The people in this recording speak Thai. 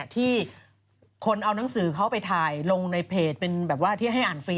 ที่คนเอานังสือเขาไปถ่ายลงในเพจเป็นแบบว่าที่ให้อ่านฟรี